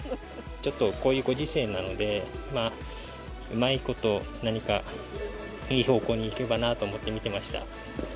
ちょっとこういうご時世なので、うまいこと何か、いい方向に行けばなと思って見てました。